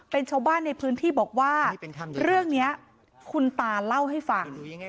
เป็นชาวบ้านในพื้นที่บอกว่าเรื่องนี้คุณตาเล่าให้ฟัง